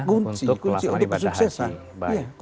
untuk kelas ibadah haji